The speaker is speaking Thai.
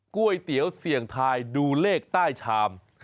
ก๋วยเตี๋ยวเสี่ยงทายดูเลขใต้ชาม